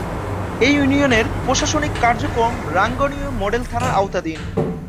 এ ইউনিয়নের প্রশাসনিক কার্যক্রম রাঙ্গুনিয়া মডেল থানার আওতাধীন।